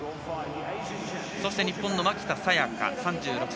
そして日本の蒔田沙弥香、３６歳。